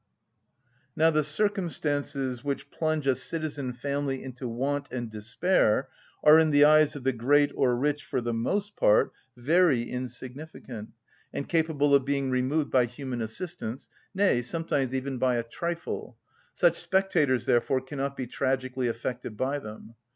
Now the circumstances which plunge a citizen family into want and despair are in the eyes of the great or rich, for the most part, very insignificant, and capable of being removed by human assistance, nay, sometimes even by a trifle: such spectators, therefore, cannot be tragically affected by them.